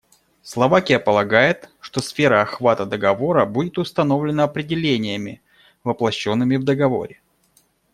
Словакия полагает, что сфера охвата договора будет установлена определениями, воплощенными в договоре.